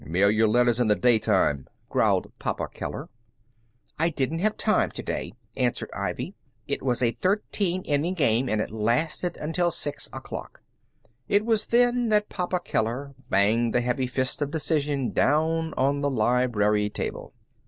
"Mail your letters in the daytime," growled Papa Keller. "I didn't have time to day," answered Ivy. "It was a thirteen inning game, and it lasted until six o'clock." It was then that Papa Keller banged the heavy fist of decision down on the library table.